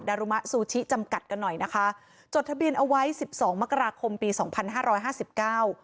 รุมะซูชิจำกัดกันหน่อยนะคะจดทะเบียนเอาไว้สิบสองมกราคมปีสองพันห้าร้อยห้าสิบเก้า